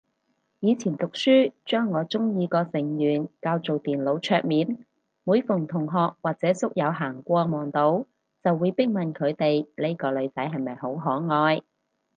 以前讀書將我鍾意個成員較做電腦桌面，每逢同學或者宿友行過望到，就會逼問佢哋呢個女仔係咪好可愛